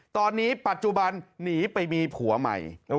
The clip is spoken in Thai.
ตอนนี้ปัจจุบันหนีไปมีผัวใหม่